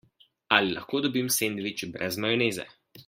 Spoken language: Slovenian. Ali lahko dobim sendvič brez majoneze?